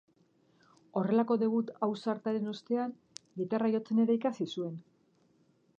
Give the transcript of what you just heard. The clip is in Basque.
Horrelako debut ausartaren ostean, gitarra jotzen ere ikasi zuen.